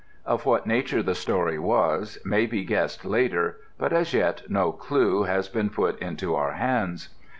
Of what nature the story was may be guessed later, but as yet no clue has been put into our hands.